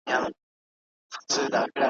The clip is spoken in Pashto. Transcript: ستا د هجر که صبا دئ.